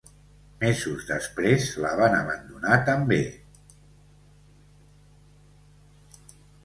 Mesos després la van abandonar també.